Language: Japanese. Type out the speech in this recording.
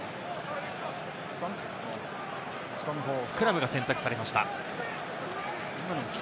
スクラムが選択されました。